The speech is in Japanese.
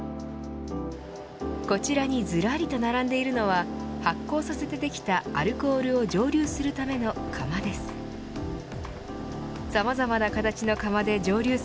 こちらにずらりと並んでいるのは発酵させてできたアルコールを蒸留するための釜です。